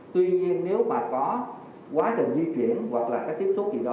tuy nhiên nếu mà có quá trình di chuyển hoặc là cái tiếp xúc gì đó